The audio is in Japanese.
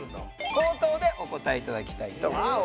口頭でお答え頂きたいと思います。